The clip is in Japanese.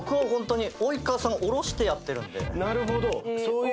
なるほど。